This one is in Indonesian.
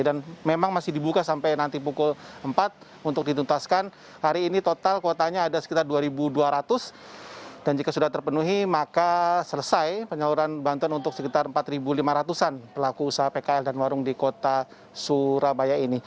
dan memang masih dibuka sampai nanti pukul empat untuk ditutaskan hari ini total kotanya ada sekitar dua dua ratus dan jika sudah terpenuhi maka selesai penyaluran bantuan untuk sekitar empat lima ratus an pelaku usaha pkl dan warung di kota surabaya ini